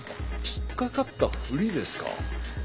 引っかかったふりですか。